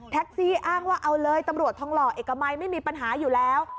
อ้างว่าเอาเลยตำรวจทองหล่อเอกมัยไม่มีปัญหาอยู่แล้ว